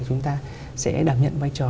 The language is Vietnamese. chúng ta sẽ đảm nhận vai trò